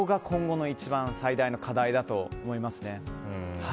そこが一番、最大の課題だと思いますね。